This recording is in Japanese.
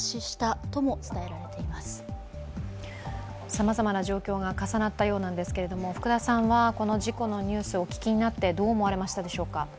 さまざまな状況が重なったようなんですけれども福田さんはこの事故のニュース、お聞きになって、どう思われましたでしょうか。